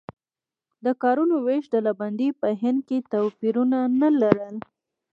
د کارونو وېش ډلبندي په هند کې توپیرونه نه لرل.